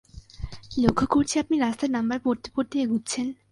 লক্ষ করছি আপনি রাস্তার নাম্বার পড়তে পড়তে এগুচ্ছেন।